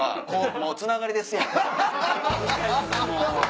もうつながりですやん。